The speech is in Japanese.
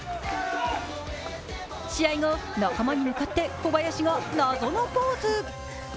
試合後、仲間に向かって小林が謎のポーズ。